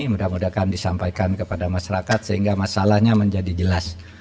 mudah mudahan disampaikan kepada masyarakat sehingga masalahnya menjadi jelas